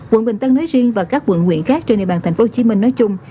quận bình tân nói riêng và các quận huyện khác trên địa bàn tp hcm nói chung